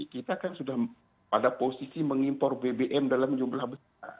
kita kan sudah pada posisi mengimpor bbm dalam jumlah besar